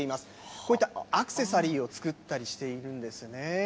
こういったアクセサリーを作ったりしているんですよね。